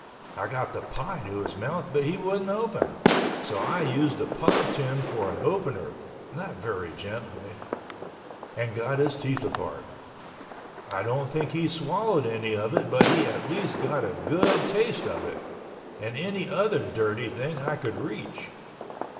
I got the pie to his mouth but he wouldn't open, so I used the pie tin for an opener (not very gently) and got his teeth apart. I don't think he swallowed any of it but he at least got a good taste of it—and any other dirty thing I could reach.